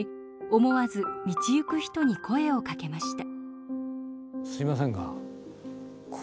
思わず道行く人に声をかけました。